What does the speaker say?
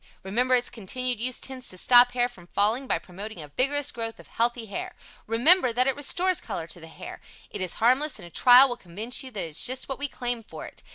Remember its continued use tends to stop hair from falling by promoting a vigorous growth of healthy hair. Remember that it restores color to the hair. It is harmless and a trial will convince you that it is just what we claim for it.